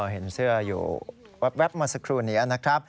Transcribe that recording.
เห็นเสื้ออยู่แว๊บมาสักครู่นี้นะครับ